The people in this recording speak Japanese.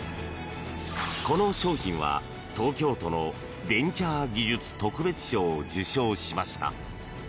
この商品は、東京都のベンチャー技術特別賞を受賞しました。